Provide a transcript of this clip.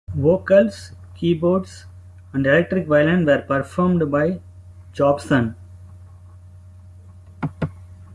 Vocals, keyboards, and electric violin were performed by Jobson.